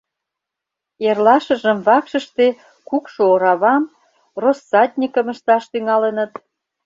Эрлашыжым вакшыште кукшо оравам, россатньыкым ышташ тӱҥалыныт.